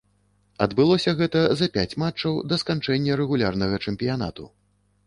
Адбылося гэта за пяць матчаў да сканчэння рэгулярнага чэмпіянату.